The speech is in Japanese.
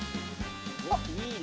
おっいいね。